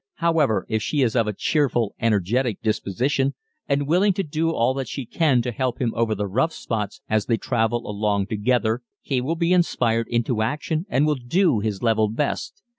However, if she is of a cheerful, energetic disposition and willing to do all that she can to help him over the rough spots as they travel along together he will be inspired into action and will do his level best.